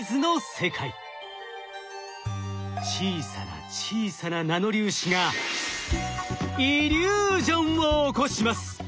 小さな小さなナノ粒子がイリュージョンを起こします！